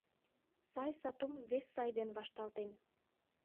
Сай сатум вес сай ден вашталтен